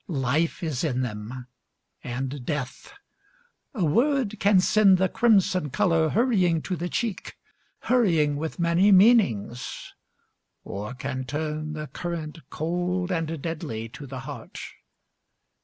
Life is in them, and death. A word can send The crimson colour hurrying to the cheek. Hurrying with many meanings; or can turn The current cold and deadly to the heart.